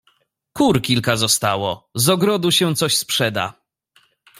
"Kur kilka zostało... z ogrodu się coś sprzeda..."